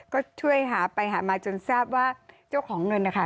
ก็ช่วยหาไปหามาจนทราบว่าเจ้าของเงินนะคะ